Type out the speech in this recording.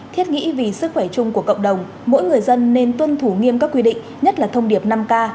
thiết nghĩ vì sức khỏe chung của cộng đồng mỗi người dân nên tuân thủ nghiêm các quy định nhất là thông điệp năm k